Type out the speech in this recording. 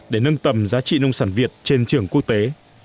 để nâng tầm giá trị nông sản việt trên trường quốc tế